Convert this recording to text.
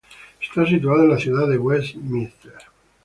Está situada en la Ciudad de Westminster.